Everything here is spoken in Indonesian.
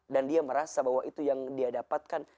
dan dia merasa bahwa itu yang dia dapatkan